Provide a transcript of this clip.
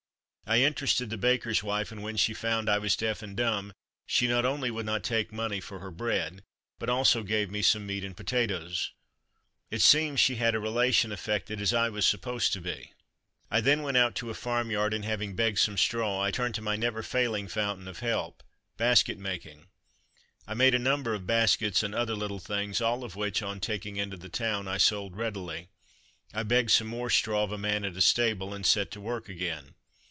I interested the baker's wife, and when she found I was deaf and dumb, she not only would not take money for her bread, but also gave me some meat and potatoes. It seemed she had a relation affected as I was supposed to be. I then went out to a farm yard, and having begged some straw I turned to my never failing fountain of help basket making. I made a number of baskets and other little things, all of which on taking into the town I sold readily. I begged some more straw of a man at a stable, and set to work again.